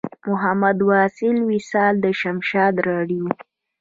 محمد واصل وصال له شمشاد راډیو.